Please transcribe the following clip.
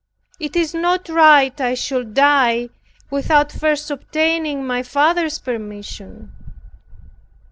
it is not right I should die without first obtaining my father's permission."